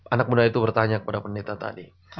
anak muda itu bertanya kepada pendeta tadi